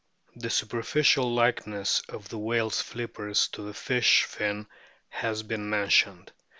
The superficial likeness of the whale's flippers to the fish fin has been mentioned.